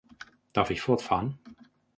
Darf ich fortfahren?